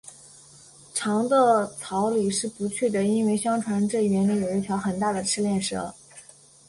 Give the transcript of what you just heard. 长的草里是不去的，因为相传这园里有一条很大的赤练蛇